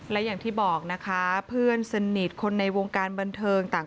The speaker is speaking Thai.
และอย่างที่บอกนะคะเพื่อนสนิทคนในวงการบันเทิงต่าง